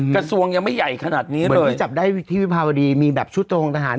กระทรวงยังไม่ใหญ่ขนาดนี้โดยที่จับได้ที่วิภาวดีมีแบบชุดตรงทหาร